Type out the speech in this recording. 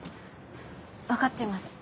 わかってます。